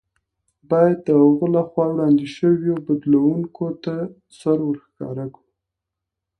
باید د هغه له خوا وړاندې شویو بدلوونکو ته سر ورښکاره کړو.